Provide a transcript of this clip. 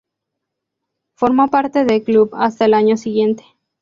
Formó parte del club hasta el año siguiente.